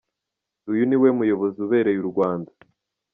Uyu niwe muyobozi ubereye u Rwanda.